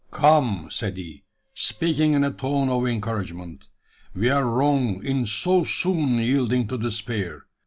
"Come!" said he, speaking in a tone of encouragement, "we are wrong in so soon yielding to despair.